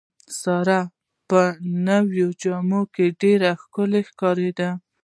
ساره په نوو جامو کې ډېره ښکلې ښکارېده.